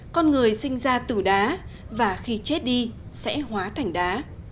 con người sinh ra từ đá và khi chết đi sẽ hóa thành đá